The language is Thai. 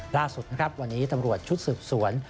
ล่าสุดนะครับวันนี้ตำรวจชุดสืบสวน